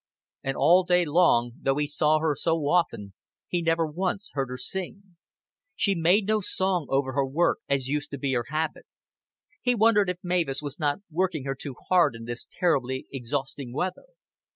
And all day long, though he saw her so often, he never once heard her sing. She made no song over her work, as used to be her habit. He wondered if Mavis was not working her too hard in this terribly exhausting weather.